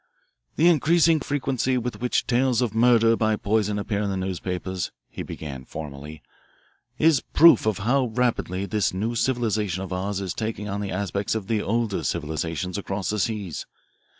"The increasing frequency with which tales of murder by poison appear in the newspapers," he began formally, "is proof of how rapidly this new civilisation of ours is taking on the aspects of the older civilisations across the seas.